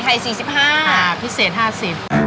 ค่ะพิเศษ๕๐